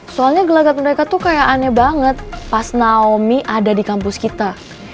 soalnya gelagat mereka tuh kayak aneh banget pas naomi ada di kampus kita